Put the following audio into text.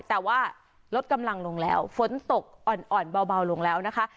แต่ว่าลดกำลังลงแล้วฝนตกอ่อนเบาลงแล้วนะคะ